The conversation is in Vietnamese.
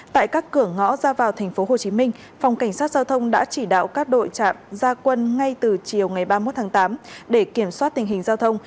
tại các cửa ngõ ra vào tp hcm phòng cảnh sát giao thông đã chỉ đạo các đội trạm ra quân ngay từ chiều ngày ba mươi một tháng tám để kiểm soát tình hình giao thông